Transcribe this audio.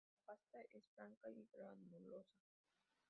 La pasta es blanda y granulosa.